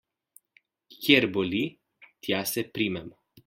Kjer boli, tja se primemo.